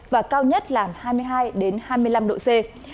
và cao nhất là hai mươi hai hai mươi năm độ c